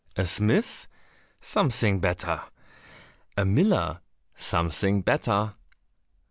"A smith?" "Something better." "A miller?" "Something better."